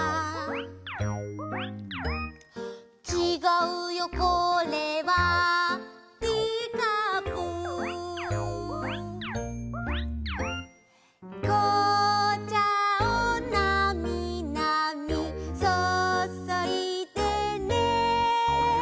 「ちがうよこれはティーカップ」「紅茶をなみなみそそいでね」